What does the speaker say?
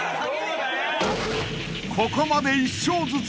［ここまで１勝ずつ］